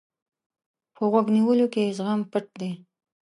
په غوږ نیولو کې زغم پټ دی.